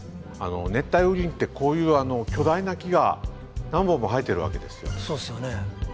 熱帯雨林ってこういう巨大な木が何本も生えてるわけですよ。